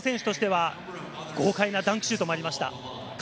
馬場選手としては豪快なダンクシュートもありました。